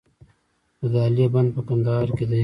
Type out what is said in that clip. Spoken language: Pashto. د دهلې بند په کندهار کې دی